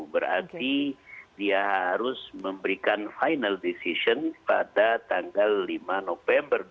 berarti dia harus memberikan final decision pada tanggal lima november dua ribu dua